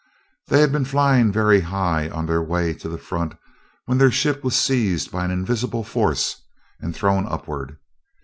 They had been flying very high on their way to the front when their ship was seized by an invisible force and thrown upward.